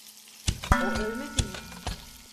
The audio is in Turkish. O ölmedi mi?